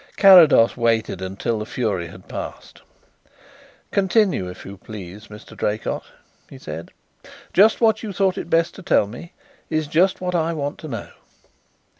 Carrados waited until the fury had passed. "Continue, if you please, Mr. Draycott," he said. "Just what you thought it best to tell me is just what I want to know."